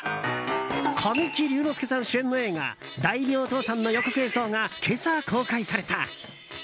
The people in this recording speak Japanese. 神木隆之介さん主演の映画「大名倒産」の予告映像が今朝、公開された。